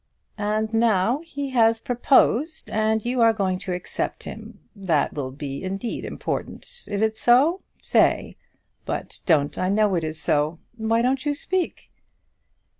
"And now he has proposed, and you are going to accept him? That will indeed be important. Is it so? say. But don't I know it is so? Why don't you speak?"